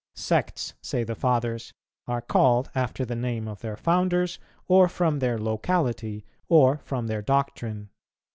Sects, say the Fathers, are called after the name of their founders, or from their locality, or from their doctrine.